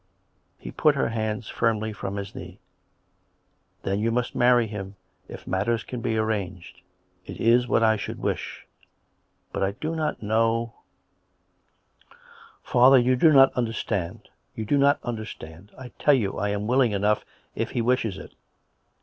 He put her hands firmly from his knee. " Then you must marry him, if matters can be arranged. It is what I should wish. But I do not know "" Father, you do not understand— you do not under stand. I tell you I am willing enough, if he wishes it